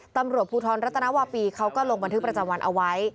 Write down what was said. ตำรวจภูทรรัตนวาปีเขาก็ลงบันทึกประจำวันเอาไว้